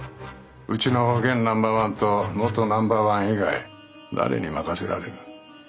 うちの現ナンバーワンと元ナンバーワン以外誰に任せられる？